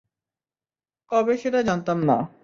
কবে সেটা জানতাম না।